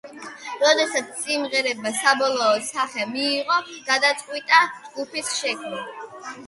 როდესაც სიმღერებმა საბოლოო სახე მიიღო, გადაწყვიტა ჯგუფის შექმნა.